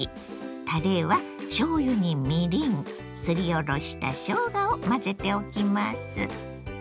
たれはしょうゆにみりんすりおろしたしょうがを混ぜておきます。